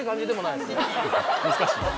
難しい。